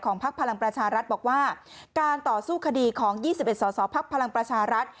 พักพลังประชารัฐบอกว่าการต่อสู้คดีของ๒๑สสพลังประชารัฐ